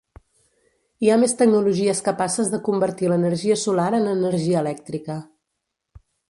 Hi ha més tecnologies capaces de convertir l'energia solar en energia elèctrica.